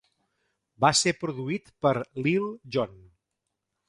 Va ser produït per Lil Jon.